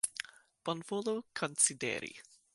Bonvolu konsideri.